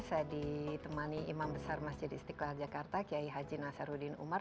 saya ditemani imam besar masjid istiqlal jakarta kiai haji nasaruddin umar